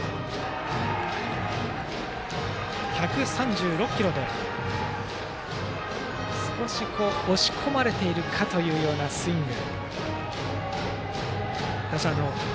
１３６キロで少し押し込まれているかというスイング。